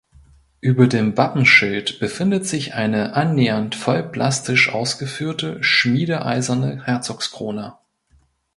Über dem Wappenschild befindet sich eine annähernd vollplastisch ausgeführte schmiedeeiserne Herzogskrone.